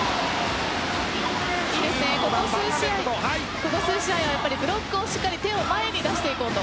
いいですね、ここ数試合はブロックをしっかり手を前に出していこうと。